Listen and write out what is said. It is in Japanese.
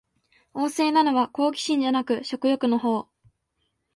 旺盛なのは好奇心じゃなく食欲のほう